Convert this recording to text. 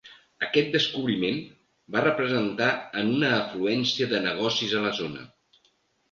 Aquest descobriment va representar en una afluència de negocis a la zona.